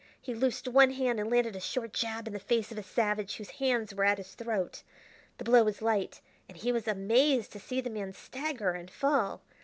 He loosed one hand and landed a short jab in the face of a savage whose hands were at his throat. The blow was light, and he was amazed to see the man stagger and fall.